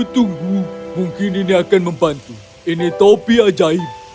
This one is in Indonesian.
tunggu mungkin ini akan membantu ini topi ajaib